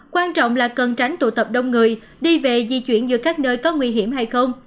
quan trọng là cần tránh tụ tập đông người đi về di chuyển giữa các nơi có nguy hiểm hay không